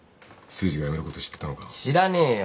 知らねえよ。